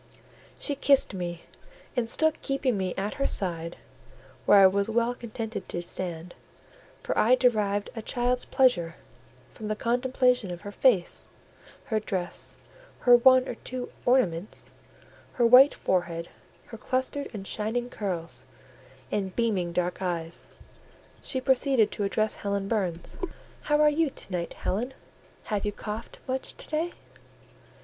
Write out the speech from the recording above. She kissed me, and still keeping me at her side (where I was well contented to stand, for I derived a child's pleasure from the contemplation of her face, her dress, her one or two ornaments, her white forehead, her clustered and shining curls, and beaming dark eyes), she proceeded to address Helen Burns. "How are you to night, Helen? Have you coughed much to day?"